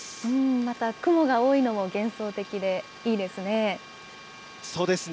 また雲が多いのも幻想的でいいですね。